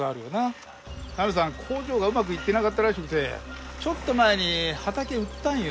工場がうまくいってなかったらしくてちょっと前に畑売ったんよ。